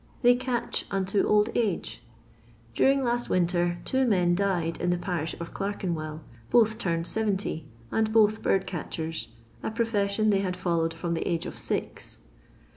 They " catch " unto old age. During but winter two men died in the parish of Clerkenwell, both turned seventy, and both bird catchers — a profession they had followed from the age of six.